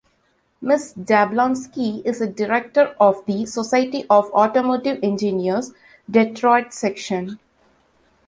Ms. Jablonski is a director of the Society of Automotive Engineers - Detroit Section.